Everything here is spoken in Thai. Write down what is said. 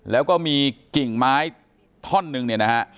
แล้วก็มีกิ่งไม้ท่อนหนึ่งเนี่ยนะฮะ